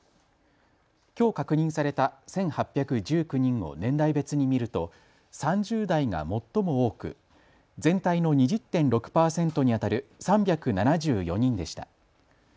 きょう確認された１８１９人を年代別に見ると３０代が最も多く全体の２０．６％にあたる３７４人でした。